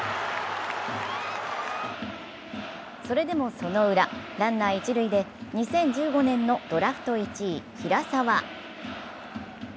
それでもそのウラ、ランナー一塁で２０１５年のドラフト１位・平沢。